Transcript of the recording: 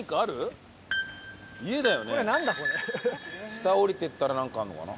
下下りていったらなんかあるのかな？